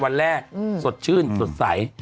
วันแรกสดชื่นสดใส